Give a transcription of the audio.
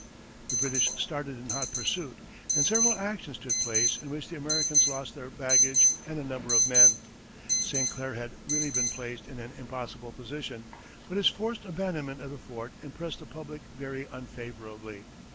The British started in hot pursuit, and several actions took place in which the Americans lost their baggage and a number of men. St. Clair had really been placed in an impossible position, but his forced abandonment of the fort impressed the public very unfavorably.